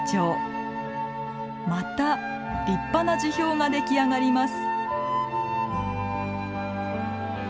また立派な樹氷が出来上がります。